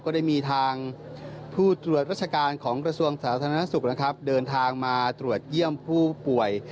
ก็ได้มีทางผู้ตรวจราชการของกระทรวงสาธารณสุขนะครับเดินทางมาตรวจเยี่ยมผู้ป่วย